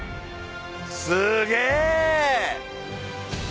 すげえ！